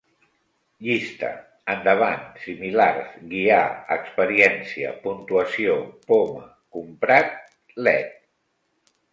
Llista: endavant, similars, guiar, experiència, puntuació, poma, comprat, led